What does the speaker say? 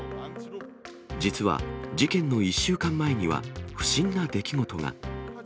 実は事件の１週間前には、不審な出来事が。